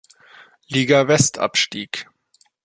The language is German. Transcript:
Liga West abstieg.